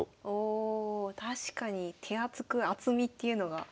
お確かに手厚く厚みっていうのが。